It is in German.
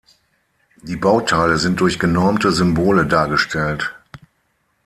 Die Bauteile sind durch genormte Symbole dargestellt.